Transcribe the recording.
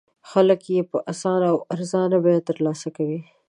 خلک یې په اسانه او ارزانه بیه تر لاسه کوي.